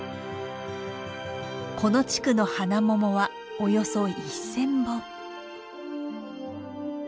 この地区のハナモモはおよそ１，０００本。